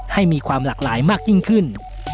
ให้มีความหลากหลายมากยิ่งขึ้น